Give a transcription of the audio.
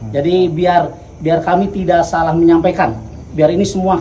jadi biar kami tidak salah menyampaikan biar ini semua clear